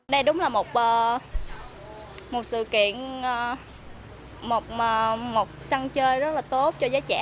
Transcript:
đây đúng là một sự kiện một săn chơi rất là tốt cho giá trẻ